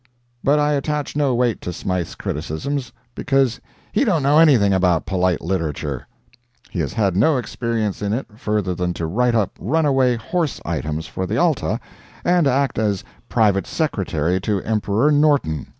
But I attach no weight to Smythe's criticisms, because he don't know anything about polite literature; he has had no experience in it further than to write up runaway horse items for the Alta and act as Private Secretary to Emperor Norton.